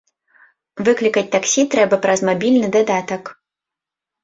Выклікаць таксі трэба праз мабільны дадатак.